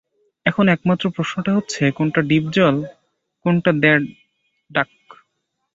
এখন একমাত্র প্রশ্নটা হচ্ছেঃ কোনটা ডিপজল, - কোনটা দ্য ডাক?